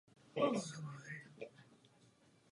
Ve Španělsku znám pod jménem Bartolomeo del Blanco.